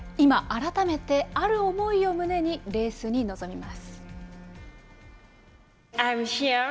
今改めてある思いを胸に、レースに臨みます。